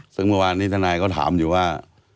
ซึ่งเมื่อวานนี้ทนายก็ถามอยู่ว่า